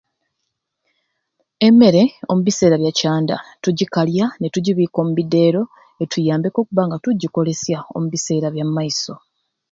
Emmere omubiseera bya canda tugikalya ni tugibiika omu bideero etuyambeku okubba nga tuggikolesya omubiseera ebya mumaiso.